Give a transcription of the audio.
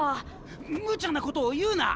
むちゃなことを言うな！